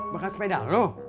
bukan sepeda lu